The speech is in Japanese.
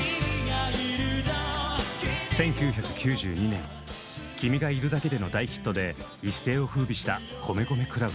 １９９２年「君がいるだけで」の大ヒットで一世を風靡した米米ＣＬＵＢ。